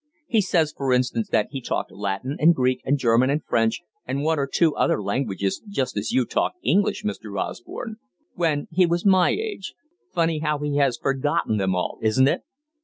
He says, for instance, that he talked Latin and Greek and German and French and one or two other languages just as you talk English, Mr. Osborne, 'when he was my age' funny how he has forgotten them all, isn't it?